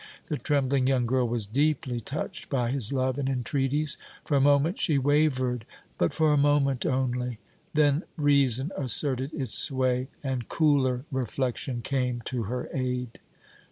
The trembling young girl was deeply touched by his love and entreaties. For a moment she wavered, but for a moment only; then reason asserted its sway and cooler reflection came to her aid.